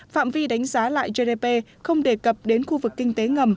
phạm vi đánh giá lại gdp không đề cập đến khu vực kinh tế ngầm